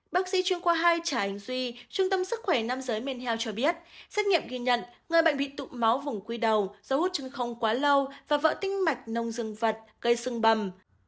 bác sĩ chuyên qua hai trả ảnh duy trung tâm sức khỏe nam giới mên heo cho biết xét nghiệm ghi nhận người bệnh bị tụ máu vùng quy đầu do hút chân không quá lâu và vỡ tinh mạch nông dương vật gây sưng bầm